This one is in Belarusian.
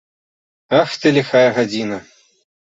Ах ты, ліхая гадзіна!